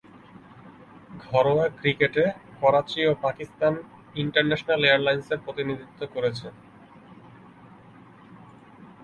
ঘরোয়া ক্রিকেটে করাচি ও পাকিস্তান ইন্টারন্যাশনাল এয়ারলাইন্সের প্রতিনিধিত্ব করেছেন।